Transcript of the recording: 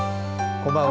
こんばんは。